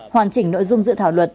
hoàn chỉnh nội dung dự thảo luật